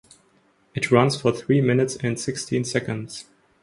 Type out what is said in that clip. It runs for three minutes and sixteen seconds.